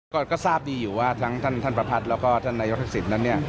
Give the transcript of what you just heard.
ก็ทราบดีอยู่ว่าทั้งท่านประพัทธ์แล้วก็ท่านนายกทักษิณนั้นเนี่ย